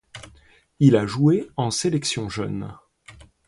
Il a joué en sélection jeune.